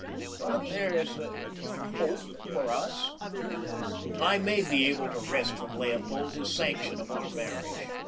But there is a hope for us. I may be able to wrest from Leopold his sanction of our marriage.